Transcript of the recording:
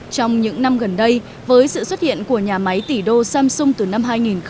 trong những năm gần đây với sự xuất hiện của nhà máy tỷ đô samsung từ năm hai nghìn một mươi